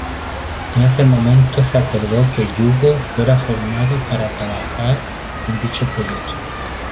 En ese momento se acordó que Yugo fuera formado para trabajar en dicho proyecto.